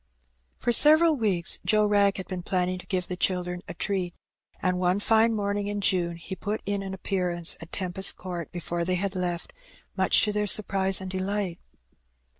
For several weeks Joe Wrag had been planning to give the children a treat; and one fine morning in June he put in an appearance at Tempest Court before they had left, much to their surprise and delight.